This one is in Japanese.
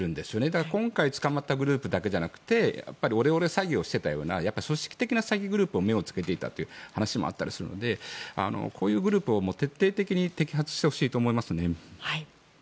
だから、今回捕まったグループだけじゃなくてオレオレ詐欺をしていたような組織的な詐欺グループが目をつけていたという話もあったりするのでこういうグループを徹底的に摘発してほしいなと思います。